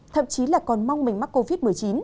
thậm chí là còn mong mình mắc covid một mươi chín